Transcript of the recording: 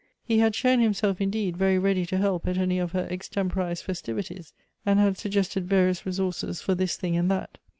He had shown himself, indeed, very ready to help at any of her extem porized festivities, and had suggested various resources for this thing and that.